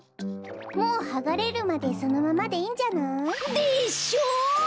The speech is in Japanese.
もうはがれるまでそのままでいいんじゃない？でしょ？